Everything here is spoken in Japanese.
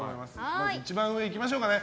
まず一番上いきましょうかね。